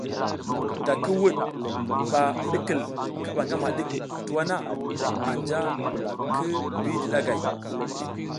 Da ki wuɗ bak i kil kaɓa ngama ɗik tuwa na, anja ki bidi ɗagay.